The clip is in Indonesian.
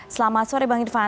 selamat sore bang irfan